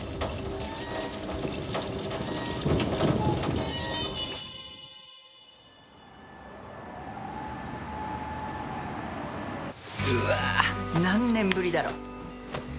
うわ何年ぶりだろ。